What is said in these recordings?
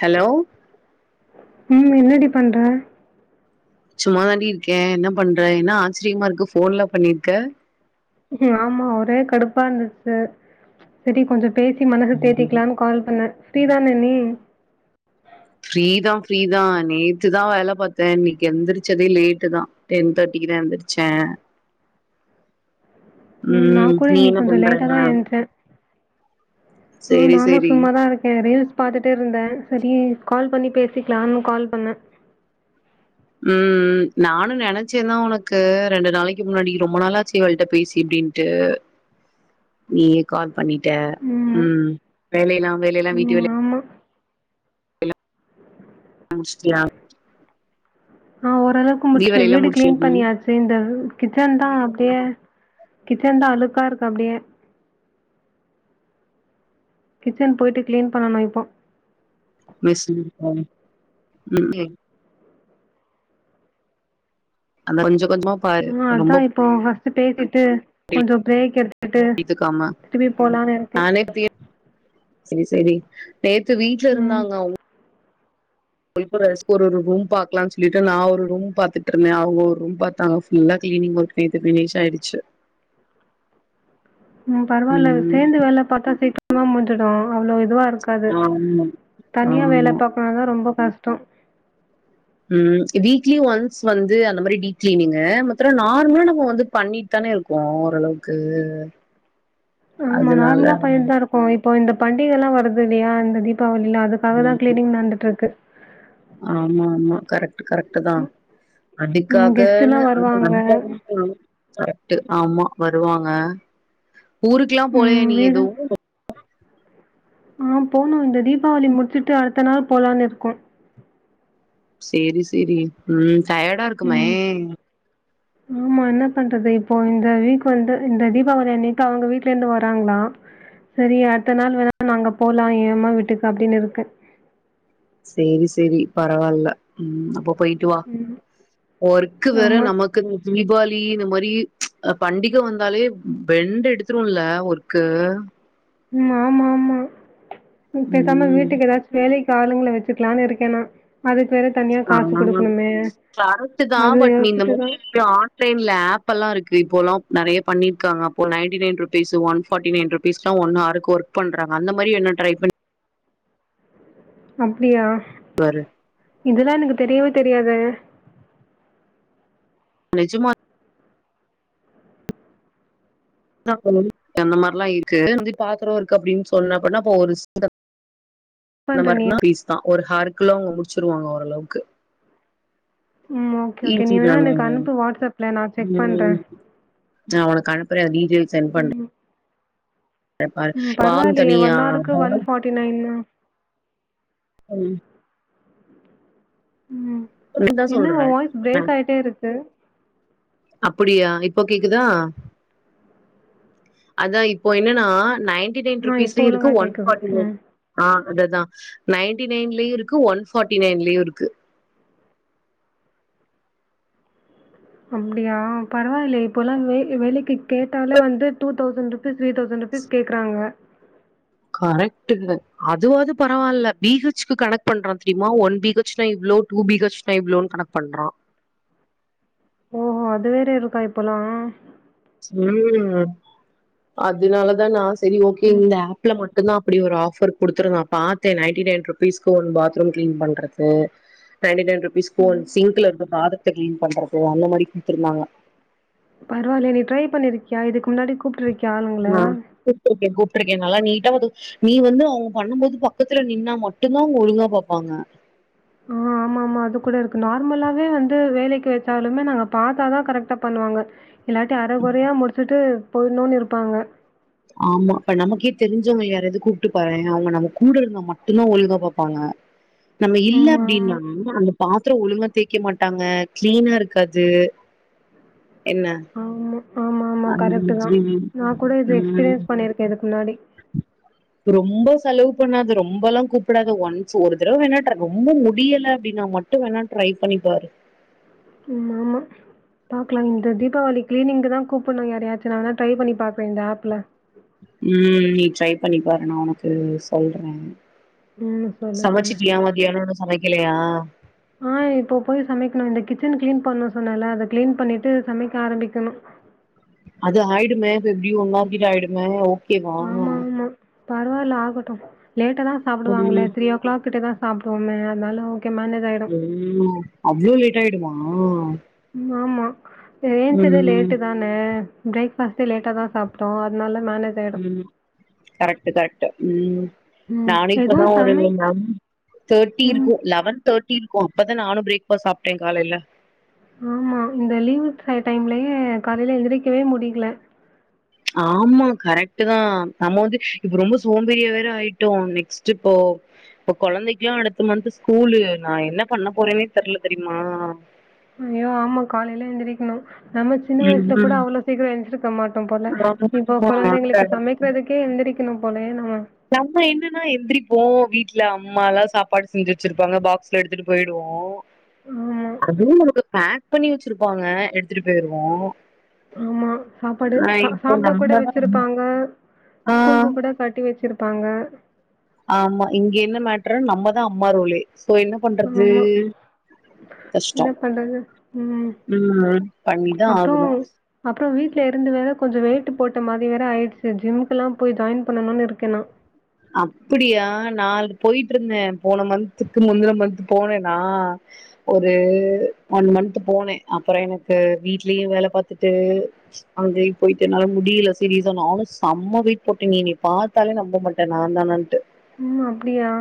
Hello ம் என்னடி பண்ற சும்மா தாண்டி இருக்கே என்ன பண்ற என்ன ஆச்சிரியமா இருக்கு ஃபோன்லா பண்ணிருக்க ஆமா ஒரே கடுப்பா இருந்துச்சு செரி கொஞ்சோ பேசி மனச தேத்திக்கலான்னு கால் பண்ணே. ஃப்ரீ தானே நீ ஃப்ரீ தா, ஃப்ரீ தா. நேத்துதா வேல பாத்த. இன்னக்கி எந்திரிச்சதே லேட்டு தா. டென் தேட்டிக்கு தா எந்திரிச்ச ம் நா கூட இன்னக்கி கொஞ்சோ லேட்டா தா எந்ச்சே. ம் சேரி நானு சேரி சும்மாதா இருக்கே. ரீல்ஸ் பாத்துட்டே இருந்த. செரி கால் பண்ணி பேசிக்கலானு கால் பண்ண. ம் ம் நானூ நெனைச்சே தா உனக்கு ரெண்டு நாளைக்கு முன்னாடி. ரொம்ப நாளாச்சு இவள்ட்ட பேசி அப்டின்ட்டு நீயே கால் பண்ணிட்ட. ம் வேலையெல்லா வேலையெல்லா வீட்டு ம். வேலை ஆமா. முடிச்சிட்டயா? ஆஹ் ஓரளவுக்கு முடிச்ட்ட. வீடு கிளீன் ம் பண்ணியாச்சு. இந்த வீ கிச்சன் தா அப்டியே, கிச்சன்தா அழுக்கா இருக்கு அப்டியே. கிச்சன் போய்ட்டு கிளீன் பண்ணணு இப்போ. [unintelligible] அந்த கொஞ்ச கொஞ்சமா பாரு உஹ் அதா ரொம்ப இப்போ ஹ பேசிட்டு கொஞ்சோ பிரேக் எடுத்து விட்டுட்டு எடுத்துக்காம திருப்பி போலானு இருக்க செரி செரி நேத்து வீட்ல இருந்தாங்க அவுங் போய் கூட ஒ ஒ ஒரு ரூம் பாக்கலாம்னு சொல்லிட்டு நா ஒரு ரூம் பாத்துட்டு இருந்த. அவங்க ஒரு ரூம் பாத்தாங்க. ஃபுல்லா கிளீனிங் ஒர்க் நேத்து பினிஷ் ஆயிடுச்சு. ம் பரவாயில்ல ம் சேந்து வேல பாத்தா சீ கிரமா முடிஞ்சுடு அவ்ளோ இதுவா இரு க்காது. ஆமா தனியா வேல ஆமா பாக்கணுனா ரொம்ப கஷ்டம் உம் வீக்லி ஒன்ஸ் வந்து அந்த மாரி டீப் கிளீனிங்கு மத்த நேரோ நார்மலா நம்ம வந்து பண்ணிட்டு தான இருக்கோ ஓரளவுக்கு. ஆமா அதனால நார்மலா பண்ணிட் தா இருக்கோ. இப் இப்ப இந்த பண்டிகை எல்லா வருது இல்லயா இந்த தீப்பா வளில்லா அதுக்காகதா ம் கிளீனிங் நடந்துட்டு இருக்கு. ஆமா ஆமா கரெக்ட். கரெக்ட்டுதா ம் கெஸ்ட்டுலா அடிக்காகனு அந்த வருவாங்க அளவுக்கு கரெக்ட் ஆமா வருவாங்க. ஊருக்கெல்லா போலயா ம் நீ எதுவூ ஆஹ் போணு. இந்த தீபாவளி முடிச்சுட்டு அடுத்த நாள் போலான்னு இருக்கோ சேரி சேரி ம் டயர்டா இருக்குமே ம் ஆமா என்ன பண்றது, இப்போ இந்த வீக் வந்து இந்த தீபாவளி அன்னக்கி அவூங்க வீட்ல இருந்து வராங்ளா. சரி அடுத்த நாள் வேணா நா அங்க போலா ஏ அம்மா வீட்டுக்கு அப்டின்னு இருக்க சேரி சேரி பரவாயில்ல ம் அப்போ போயிட்டு வா ம். ஒர்க்கு வேற ஆமா. நமக்கு தீபாவளி இந்த மாரி ம் ச் பண்டிகை வந்தாலே பெண்ட் எடுத்துருல ஒர்க்கு ம் ஆமா ஆமா ம் பேசாம வீட்டுக்கு ஏதாச்சு வேலைக்கு ஆளுங்கள வெச்சுக்கலான்னு இருக்கே நா அதுக்கு வேற தனியா காசு ஆமா மா குடுக்கணுமே! கரெக்ட்டு தா அது பட் நீ இந்த யோசிச்சுட்டு தான் மாரி ஆன்லைன்ல ஆப்பெலா இருக்கு இப்போல்லா நறைய பண்ணிருக்காங்க அப்போ ninety nine rupees one forty nine ருபீஸ்லா ஒன் ஆர்க்கு ஒர்க் பண்ணறாங்க அந்த மாரி என்ன ட்ரை பண் அப்டியா இதுல்லா எனக்கு தெரியவே தெரியாதே நெஜமா [unintelligible] அந்த மாரிலா இருக்கு அ பாத்திரம் இருக்கு அப்படினு சொன்ன அடின்னா அப்போ ஒரு ச அந்த பண்ற நீ? மார்னா ஃபிஸ்தா ஒரு ஹேர் அக்குள்ள அவுங்க முடிச்சிருவாங்க ஓரளவுக்கு ம் ஓகே ஓகே நீ ஈஸி வேணா தாங்க எனக்கு அனுப்பு வாட்ஸ்அப்ல நான் செக் பண்றேன் அப்ரோ வீக் இரு சென்ட் பண்ற ம். ம் பரவாயில்லையே ஒன் ஆருக்கு ஒன் ஃபார்ட்டி நைனா ம் ம் தா என்ன உ சொல்றே வாய்ஸ் பிரேக் ஆயிட்டே இருக்கு அப்படியா இப்போ கேக்குதா அதா இப்போ என்னன்னா நைன் நைன் ஆ இப்போ ருபீஸ்லையு இருக்கு ஒழுங்கா ஒன் கேக்குது. ஃபார்டி நைன் ம். இரு ஆ அதுதா நைன்டி நைன்லயு இருக்கு ஒன் ஃபார்ட்டி நைன்லயு இருக்கு அப்டியா பரவாயில்ல இப்ப எல்லாம் வே வேலைக்கு கேட்டால வந்து டூத் தௌசன் ரூ த்ரீ தௌசண்ட் ரூபிஸ் கேக்குறாங்க கரெக்ட்டு அதுவாது பரவாயில்ல பி ஹெச்சிக்கு கனெக்ட் பண்றா தெரியுமா ஒன் பி ஹெச்னா இவ்ளோ டூ பி ஹெச்னா இவ்வளோன்னு கனெக்ட் பண்றா ஓஹோ அது வேற இருக்கா இப்போல்லா ம் அதனாலதா நாச சரி ஓகே ம். இந்த ஆப்ல மட்ட மட்டும் தா அப்படி ஒரு ஆஃபர் கொடுத்துருந்தான் நா பாத்தே நைன்டி நைன் ருபீஸ்க்கு ஒரு பாத்ரூம் கிளீன் பண்றது நைன்டி நைன் ரூப்பிஸ் ஸ்பூன் சிங்க்ல இருந்து பாத த்து கிளீன் பண்றது அந்த மாரி கொடுத்துருந்தாங்க பரவாயில்ல நீ ட்ரை பண்ணிருக்கியா இதுக்கு முன்னாடி கூப்பிட்டு இருக்கி முமாம் கூப்டு இருக்கே கூப் கிடேக்கே நல்லா நீட்டா ஒ து நீ வந்து அவ்ங்க பண்ணு போது பக்கத்துல நின்னா மட்டும்தா ஒழுங்கா பாப்பாங்க எப்பவுமே வந்து வேலேக்கு வெச்சாலுமே நாங்க பாத்தாதா கரெக்டா பண்ணுவாங்க இல்லாட்டி அர கொறையா முடிச்சுட்டு போயிடுணுன் இருப்பாங்க ஆமா இப்ப நமக்கே தெரிஞ்சவங்க யாராவது கூப்ட்டு பா அவுங்க நம்ம கூட இருந்தா மட்டும்தா ஒழுங்கா பாப்பாங்க நம்ம இல்ல ம். ஆமா. அப்டின்னா அங்க பாத்ரோ ஒழுங்கா தேக்க மாட்டாங்க கிளீனா இருக்காது என்ன ஆமா ஆமா ஆமா கரெக்ட்டு தான். நான் கூட இது எக்ஸ்பீரியன்ஸ் [unintelligible] பண்ணியிருக்கேன் இதுக்கு முன்னாடி. ரொம்ப செலவு பண்ணாது ரொம்பெல்லா கூப்புடாத ஒன்ஸ் ஒரு தடவ வேணா ட்ர ரொம்ப முடியல அப்டின்னா மட்டு வேணா ட்ரை பண்ணிப்பாரு ஆமாமா பாக்கலா இந்த தீபாவளி கிளீனிங்க்கு தா கூப்புட்ணு யாரயாச்சு நா வேறணா ட்ரை பண்ணி பாக்றே இந்த ஆப்ல ம் நீ ட்ரை பண்ணிப் பாரு நா உனக்கு சொல்ற ம் சொல்லு சொல்லு. சமச்சிட்டியா மதியானோ இன்னு சமை இல்லயா ஆ இப்ப போய் சமைக்கணு இந்த கிச்சன் கிளீன் பண்ண சொன்னல அத கிளீன் பண்ணிட்டு சமைக்க ஆரம்பிக்கணு அது ஆயிடுமே அது எப்டியு ஒன்னவர் கிட்ட ஆயிடுமே ஓகேவா ஆமா ஆமா பரவாயில்ல ஆகட்டும் லேட்டா தா சாப்டுவாங்களே ம் த்ரி ஓ கிளாக் கிட்ட தா சாப்டுவோமே அதனால ஓகே மேனேஜ் ஆயிடும். ம் அவ்ளோ லேட் ஆயிடுமா ஆ ஆமா ஏஞ்ச்சதே ம் லேட்டு தான ம் ப்ரேக்ஃபாஸ்ட்டே லேட்டா தா சாப்ட்டோ அதுனால ம் கரெக்ட்டு கரெக்ட்டு ம் ம். நானே இப்பதா எதுவும் ஒரு சமை நம் தாட்டி ம். இருக்கு லெவன் தாட் இருக்கோ அப்பதா நானு பிரேக்ஃபாஸ்ட் சாப்ட்டே காலேல ஆமா இந்த லீவு டை டைம்லயே காலேல எந்திரிக்கவே முடில ஆமா கரெக்ட்டு தா நம்ம வந்து இப்ப ரொம்ப சோம்பேரியா வேற ஆயிட்டோ நெக்ஸ்ட் இப்போ இப்ப கொழந்தைக்கிலா அடுத்த மந்த்து ஸ்கூலு நா என்ன பண்ண போறனே தெர்ல தெரியுமா ஐயோ ஆமா காலேலே எந்திரிக்கணு நம்ம சின்ன வயசுல கூட ம் அவ்ளோ சீக்கிரோ எஞ்சிருக்க மாட்டோ போல இப்போ ஆமா கொழந்தைங்களுக்கு கரெக்ட். சமைக்கிறதுக்கே எந்திரிக் இன்னு போலே ந நம்ம என்னன்னா எந்திரிப் இப்போ வீட்டுல அம்மாலா சாப்பாடு செஞ்சு வச்சிருப்பாங்க பாக்ஸ்ல எடுத்துட்டு போயிடுவோ ஆமா. அதுவும் நமக்கு பேக் பண்ணி வச்சிருப்பாங்க எடுத்துட்டு பேயிருவோ சாப்பாடு சாப்ட கூட தான் வெச்சிருப்பாங்க ஆ ஸ்கூல்க்கு கூட கட்டி வெச்சிருப்பாங்க [inaudible] ஆமா இங்க என்ன மேட்டர் நம்மதான் அம்மா ரோலே சோ என்ன பண்றது ஆமா. என்ன கஷ்டம் பண்றது? ம். உஹம் பண்ணிதான் அப்புறம் ஆகணும் அப்புறம் வீட்ல இருந்து வேற கொஞ்சம் வெயிட்டு போட்ட மாதிரி வேற ஆயிடுச்சு ஜிம்முக்கெல்லாம் போய் ஜாயின் பண்ணும்னு இருக்கே நா அப்படியா நான் போயிட்டுருந்த போன மந்த்துக்கு முந்தின மந்த்த் போனேன்னா ஒரு ஒன் மந்த்த் போனே அப்புறம் எனக்கு வீட்லே வேலை பாத்துட்டு அங்கேயும் போயிட்டு என்னாலு முடியல சிரியசா நானும் செம்ம வைட்டு போட்டேன் நீ பார்த்தாலே நம்ம மட்ட இது நான்தானான்டு ம் அப்படியா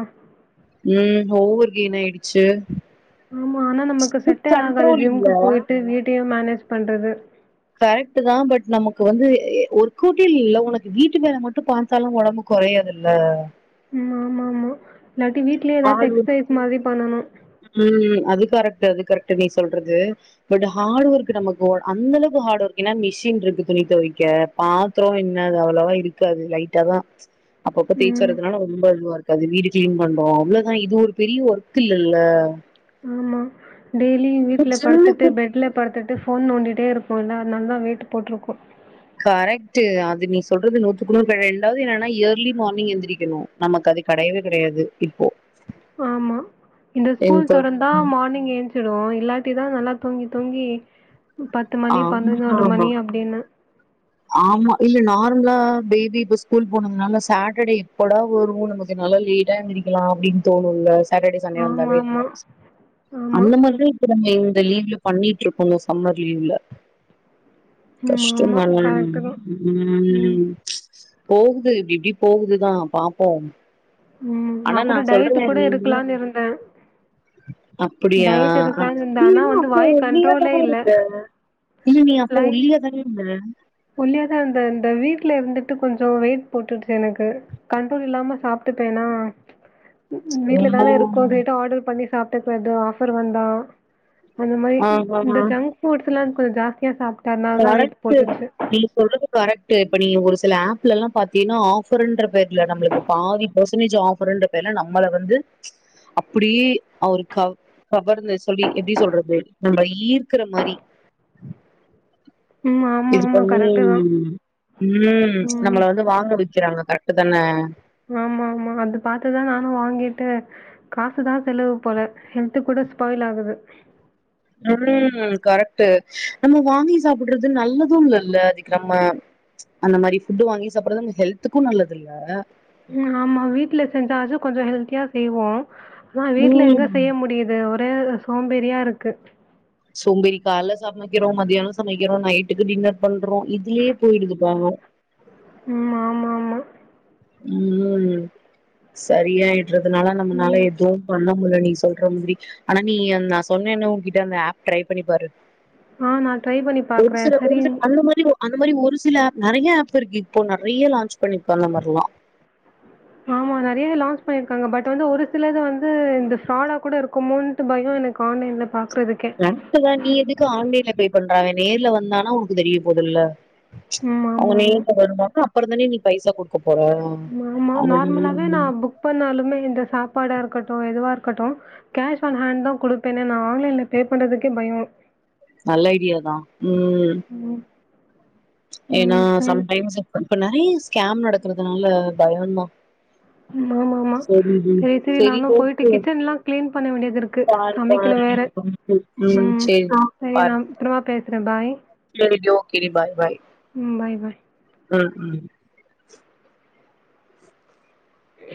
ம் ஓவர் கெயின் ஆயிடுச்சு ஆமா ஆனா நமக்கு செட்டே ஆகாது கண்ட்ரோல் இல்ல ஜிம்கு போயிட்டு வீட்டையும் மேனேஜ் பண்றது கரெக்ட் தான் பட் நமக்கு வந்து ஒரு கூட்டில் இல்ல உனக்கு வீட்டு வேல மட்டும் பாத்தாலா உடம்பு குறையாது இல்ல இம் ஆமா ஆமா இல்லாட்டி வீட்லயே ஏதாச்சு ஆள் டெக்ஸ்டைல்ஸ் மாதிரி பண்ணனும் ம் அது கரெக்ட் அது கரெக்ட் நீ சொல்றது பட் ஹார்ட் ஒர்க் நமக்கு அந்த அளவுக்கு ரோம்ப ஹார்ட் ஒர்க் என்னா மிஷின் இருக்கு துணி துவைக்க பாத்திரம் என்ன அது அவ்வளவா இருக்காது லைட்டா தான் அப்ப ம். அப்பதேச்சுறதனால ரொம்ப அதுவா இருாது வீடு கிளின் பண்றோம் அவ்ளவு ஆ இது ஒரு பெரிய ஒர்க்க் இல்லல்ல ஆமா டெய்லி இப்ப வீட்டில படுத்துட்டு ஜிம்முக்கு பெட்டில படுத்துட்டு ஃபோன் நோண்டிட்டே இரு ஆனா நல்லா வெயட்டு போட்டிருக்கோம் கரெக்ட்டூ அது நீ சொல்றது நூத்துக்குணூரு ரெண்டாவது என்னன்னா ஏர்லி மார்னிங் எழுந்திரிக்கணும் நமக்கு அது கிடையவே கிடையாது இப்போ ஆமா இந்த ஸ்கூல் துரந்தா மார்னிங் ஏஞ்சுடுவோ இல்லாட்டிதான் நல்லா தூங்கிடுவோ தூங்கி பத்து மணி ஆமா பதிணோறு ஆமா மணி அப்படின்னு ஆமா இல்ல நார்மலா பேபி இப்ப ஸ்கூல் போனதுனால சாட்டடே எப்படா வரும் நமக்கு லேடாஎந்திரிக்களா அப்படின்னு தோணும்ல சாட்டடே சண்டே வந்தாலே ஆமாமா. ஆமா. ஆமா அந்த மாதிரி இப்ப நம்ம இரு இந்த லீவ்ல பண்ணிட்டு இருக்கோங்க சம்மர் லீவ்ல உம் ஆமா உம் தான். ம். உம் போகுது இப்படி இப்படி போகுதுதான் பாப்போம் உம் நான் கூட டயட்டு கூட இருக்கலான்னு இருந்தேன் அப்படியா டயட் இருக்கலான்னு நீ இருந்தேன். ஆனா இன்னும் வந்து அப்போ வாய் கண்ட்ரோலே ஓள்ளியதான இல்ல. இருப்ப இல்ல நீ அப்போ ஓள்ளியதானே இருந்த ஒல்லியாதான் அந்த இந்த வீட்டுல இருந்துட்டு கொஞ்சம் வெயிட் போட்டுடுச்சு எனக்கு கண்ட்ரோல் இல்லாம சாப்பிட்டுடேனா வீட்ல தானே இருக்கும் அப்டிட்டு ஆர்டர் பண்ணி சாப்பட்டுக்கிறது ஆஃபர் வந்தா அந்த மாதிரி ஆ ஆ இந்த ஜங்க் ஃபுட்ஸ் எல்லாம் ஜாஸ்தியா சாப்ட் னால தான் வெயிட் போட்டுச்சு நீங்க சொல்றது கரெக்ட் இப்ப நீங்க ஒரு சில ஆப்ல எல்லாம் பாத்தீங்கன்னா ஆஃபர்ன்ற பேர்ல நம்மளுக்கு பாதி பர்சன்டேஜ் ஆஃபருன்ற பேர்ல நம்மள வந்து அப்புடியே அவ்ரு கவ் கவர்னு சொல்லி எப்டி சொல்றது நம்பள ஈர்க்கற மாரி ம் ஆமா இது ஆமா பண்ணி கரெக்ட்டு தான். உம் ம். நம்மள வந்து வாங்க வெ க்கிறாங்க கரெக்ட் தானே ஆமா ஆமா அது பாத்துதா நானும் வாங்கிட்டு காசுதா செலவு போல ஹெல்து கூட ஸ்பாயில் ஆகுது ஹம் கரெக்ட்ட் நம்ம வாங்கி சாப்டுறது நல்லதும் இல்ல அதிகமா அந்த மாரி ஃபுட்டு வாங்கி சாப்டுறது நம்ம ஹெல்த்துக்கும் நல்லது இல்ல உம் ஆமா வீட்டுல செஞ்சா அது கொஞ்சோ ஹெல்த்தியா செய்வோ அதா வீட்டுல எங்க ம் செய்ய முடியுது ஒ ரே சோம்பேறியா இருக்கு சோம்பேறி கால்ல சமைக்கிறோ மதியானம் சமைக்கிறோ நைட்டுக்கு டின்னர் பண்றோ இதுலியே போயிடுது பவோம் உம் ஆமா ஆமா உம் சரியாய் ன்றதுனால நம்மனால ம் எதுவு பண்ண முள்ள நீ சொல்ற மாத்ரி ஆனா நீ நா சொன்னேன்னு உன்கிட்ட அந்த ஆப் ட்ரை பண்ணி பாரு ஆஹ் நா ட்ரை பண்ணி ஒரு பாக்குறே சில ஒரு செரி சில அந்த மாரி அந்த மாரி ஒரு சில ஆப் நறைய ஆப் இருக்கு இப்ப நறைய லான்ச் பண்ணிப்ப அந்த மாரிலா ஆமா நறைய லான்ச் பண்ணிருக்காங்க பட் வந்து ஒரு சிலது வந்து இந்த ஃப்ராடா கூட இருக்குமேன்ட்டு பயம் எனக்கு ஆன்லைன்ல பா [unintelligible] தா நீ எதுக்கு ஆன்லைன்ல பே பண்றாவன் நேர்ல வந்தான உனக்கு தெரிய போதுல்ல ம் அவங்க ஆமா ஆமா. நேர்ல வருவாங்க அப் அப்ரோ தானே நீ பைசா குடுக்கப் ஆமா நார்மலாவே நா புக் பண்ணாலுமே இந்த சாப்பாடா இருக்கட்டும் எதுவா இருக் கட்டும் கேஷ் ஆன் ஹேண்ட் தா குடுப்பேனே நா ஆன்லைன்ல பே பண்றதுக்கே பயம் நல்ல ஐடியாதான் உம் ம் ஏன்னா ம் சரி. சம் டைம்ஸ் இப்ப இப்ப நறைய ஸ்கேம் நடக்கறதுனால பயம்தா ஆமா ஆமா சரி டி செரி செரி சரி நானும் ஓ போயிட்டு கிச்சன் எல்லாம் கிளீன் பண்ண வேண்டியது இருக்கு பாரு சமைக்கணு பாருடி வேற ம் ம் உம் சேரி செரி நா அப்புறமா பேசு ற பாய் செரி டி ஓகே டி பாய் பாய் ம் பாய், பாய். உம் உம் ஹ